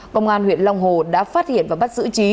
công an huyện long hồ đã phát hiện và bắt giữ trí